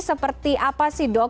seperti apa sih dok